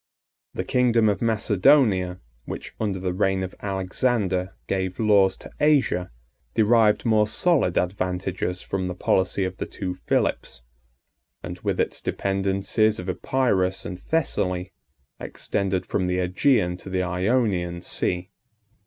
The kingdom of Macedonia, which, under the reign of Alexander, gave laws to Asia, derived more solid advantages from the policy of the two Philips; and with its dependencies of Epirus and Thessaly, extended from the Ægean to the Ionian Sea.